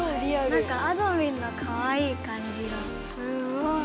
なんかあどミンのかわいいかんじがすごい。